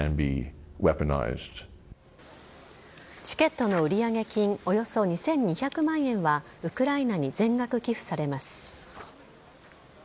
チケットの売上金およそ２２００万円はウクライナに全額寄付されます。